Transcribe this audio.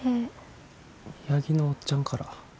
八木のおっちゃんから。